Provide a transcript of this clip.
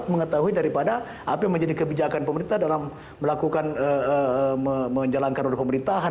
mengetahui daripada apa yang menjadi kebijakan pemerintah dalam melakukan menjalankan pemerintahan